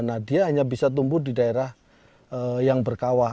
nah dia hanya bisa tumbuh di daerah yang berkawah